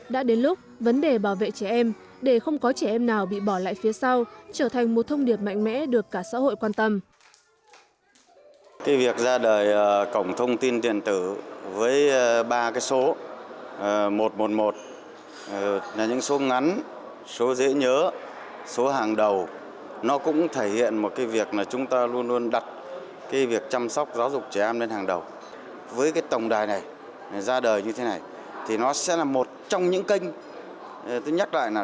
đã đến lúc vấn đề bảo vệ trẻ em để không có trẻ em nào bị bỏ lại phía sau trở thành một thông điệp mạnh mẽ được cả xã hội quan tâm